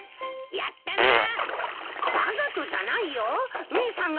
やったなー！